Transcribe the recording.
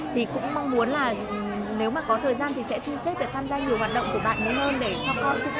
thì cũng mong muốn là nếu mà có thời gian thì sẽ thư xếp được tham gia nhiều hoạt động của bạn mới hơn để cho con